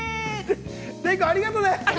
デイくん、ありがとうね。